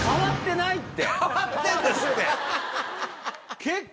変わってんですって。